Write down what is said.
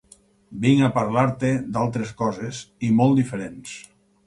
Vinc a parlar-te d'altres coses, i molt diferents.